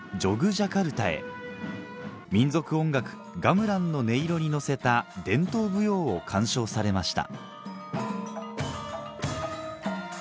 ジャカルタへ民族音楽「ガムラン」の音色に乗せた伝統舞踊を鑑賞されました